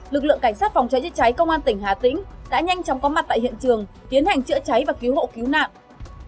lực lượng cảnh sát phòng cháy chữa cháy công an tỉnh hà tĩnh đã nhanh chóng có mặt tại hiện trường tiến hành chữa cháy và cứu hộ cứu nạn